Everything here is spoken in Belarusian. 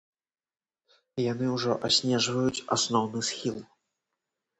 Яны ўжо аснежваюць асноўны схіл.